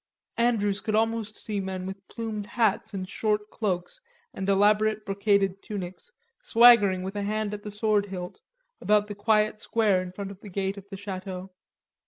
Andrews could almost see men with plumed hats and short cloaks and elaborate brocaded tunics swaggering with a hand at the sword hilt, about the quiet square in front of the gate of the Chateau.